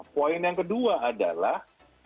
poin yang kedua adalah